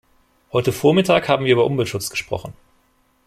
Heute vormittag haben wir über Umweltschutz gesprochen.